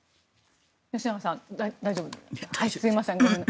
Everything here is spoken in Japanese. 吉永さん、大丈夫ですか？